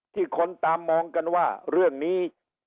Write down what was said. คนตามมองกันว่าเรื่องนี้